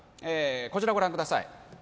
こちらご覧ください